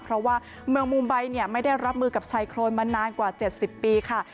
เพราะว่าเมืองมูไบเนี่ยไม่ได้รับมือกับไซโครนมานานกว่า๗๐ปีค่ะ